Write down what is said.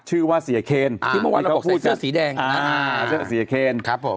ชื่อว่าเสียเคนที่เมื่อวานเราบอกใส่เสื้อสีแดงอ่าเสื้อเสียเคนครับผม